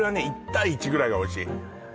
１対１ぐらいがおいしい